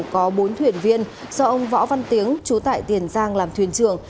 có bốn thuyền viên do ông võ văn tiếng trú tại tiền giang làm thuyền trưởng